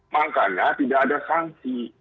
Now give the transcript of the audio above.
makanya tidak ada sanksi